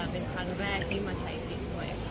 เป็นครั้งแรกที่มาใช้สิทธิ์ด้วยค่ะ